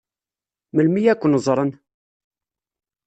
Melmi ad ken-ẓṛen?